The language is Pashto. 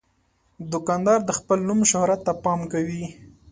دوکاندار د خپل نوم شهرت ته پام کوي.